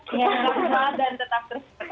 tetap semangat dan tetap terus berkarya